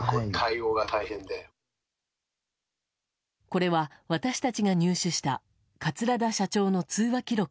これは、私たちが入手した桂田社長の通話記録。